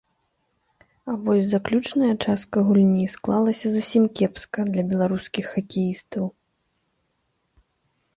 А вось заключная частка гульні склалася зусім кепска для беларускіх хакеістаў.